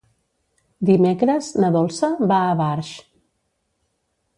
Dimecres na Dolça va a Barx.